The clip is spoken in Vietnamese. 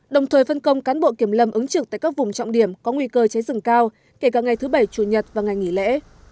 đồng thời phân công cán bộ kiểm lâm ứng trực tại các vùng trọng điểm có nguy cơ cháy rừng cao kể cả ngày thứ bảy chủ nhật và ngày nghỉ lễ